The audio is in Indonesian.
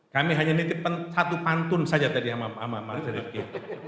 kami hanya nitip satu pantun saja tadi sama rifki